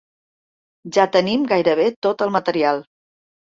Ja tenim gairebé tot el material.